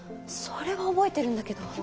それは覚えてるんだけど。